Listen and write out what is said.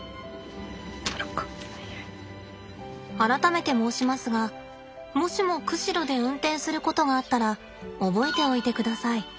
改めて申しますがもしも釧路で運転することがあったら覚えておいてください。